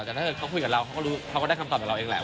แต่ถ้าเขาคุยกับเราเขาก็รู้เขาก็ได้คำตอบจากเราเองแหละ